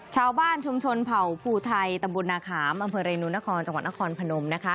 ชาวบ้านชุมชนเผ่าภูไทยตำบลนาขามอำเภอเรนูนครจังหวัดนครพนมนะคะ